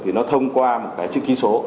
thì nó thông qua một cái chữ ký số